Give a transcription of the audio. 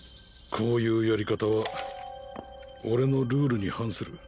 こういうやり方は俺のルールに反する。